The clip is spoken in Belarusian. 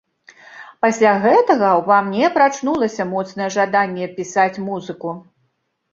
Пасля гэтага ўва мне прачнулася моцнае жаданне пісаць музыку.